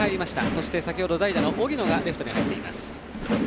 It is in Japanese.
そして、先ほど代打の荻野がレフトに入っています。